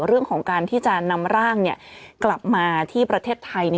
เรื่องของการที่จะนำร่างกลับมาที่ประเทศไทย